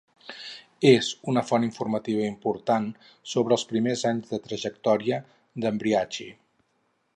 És una font informativa important sobre els primers anys de trajectòria d'Embriachi.